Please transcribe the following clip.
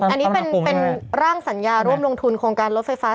อันนี้เป็นร่างสัญญาร่วมลงทุนโครงการรถไฟฟ้า